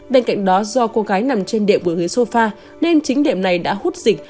bên cạnh đó do cô gái nằm trên đệm bữa ghế sofa nên chính đệm này đã hút dịch